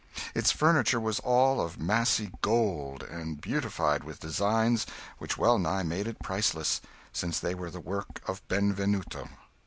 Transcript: Its furniture was all of massy gold, and beautified with designs which well nigh made it priceless, since they were the work of Benvenuto.